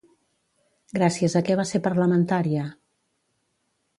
Gràcies a què va ser parlamentària?